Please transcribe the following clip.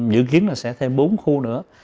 dự kiến là sẽ thêm bốn khu nữa